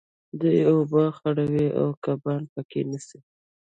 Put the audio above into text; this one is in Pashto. دوی اوبه خړوي او کبان په کې نیسي.